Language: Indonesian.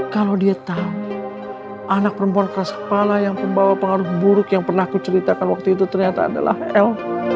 kalau dia tahu anak perempuan keras kepala yang pembawa pengaruh buruk yang pernah aku ceritakan waktu itu ternyata adalah l